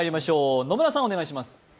野村さん、お願いします。